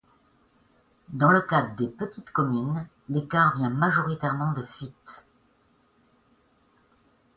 Dans le cas des petites communes, l'écart vient majoritairement de fuites.